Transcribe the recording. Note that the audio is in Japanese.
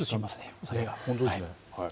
本当ですね。